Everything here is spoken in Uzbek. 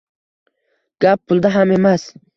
Gap pulda ham emas.